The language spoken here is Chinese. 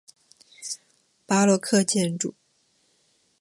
巴洛克建筑。